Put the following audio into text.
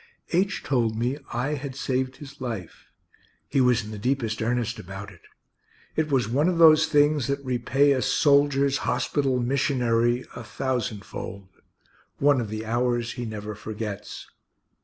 H. told me I had saved his life. He was in the deepest earnest about it. It was one of those things that repay a soldiers' hospital missionary a thousandfold one of the hours he never forgets.